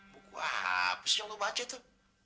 buku apa sih yang lu baca itu